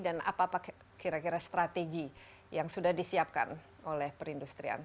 apa kira kira strategi yang sudah disiapkan oleh perindustrian